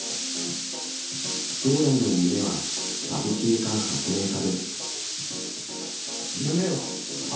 将来の夢は、夢はパティシエか発明家。